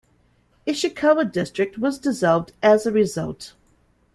Ishikawa District was dissolved as a result.